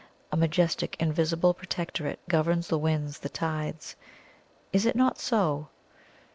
A majestic invisible Protectorate governs the winds, the tides.' Is it not so?"